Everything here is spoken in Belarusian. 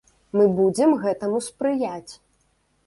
Мы будзем гэтаму спрыяць.